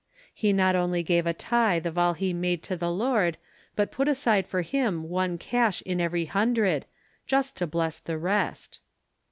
He not only gave a tithe of all he made to the Lord, but put aside for Him one cash in every hundred, "Just to bless the rest."